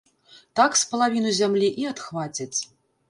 Так з палавіну зямлі і адхвацяць.